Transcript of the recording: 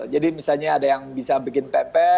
jadi misalnya ada yang bisa bikin pepe